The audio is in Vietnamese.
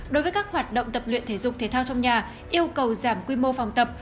đối với các hoạt động tập luyện thể dục thể thao trong nhà yêu cầu giảm quy mô phòng tập